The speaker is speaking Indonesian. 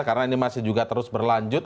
karena ini masih juga terus berlanjut